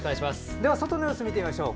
では外の様子を見てみましょう。